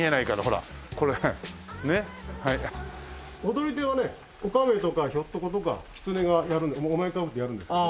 踊り手はねおかめとかひょっとことかキツネがやるお面かぶってやるんですけど。